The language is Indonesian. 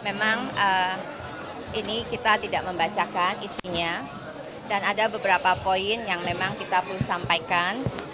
memang ini kita tidak membacakan isinya dan ada beberapa poin yang memang kita perlu sampaikan